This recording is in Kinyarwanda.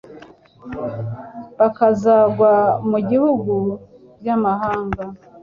bakazagwa mu bihugu by’amahanga